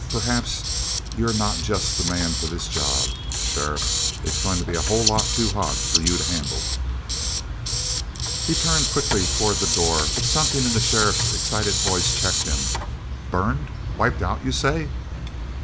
"Perhaps you're not just the man for this job, sheriff. It's going to be a whole lot too hot for you to handle." He had turned quickly toward the door, but something in the sheriff's excited voice checked him. "Burned? Wiped out, you say?"